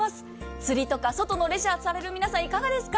釣りとか外のレジャーをされる皆さんいかがですか。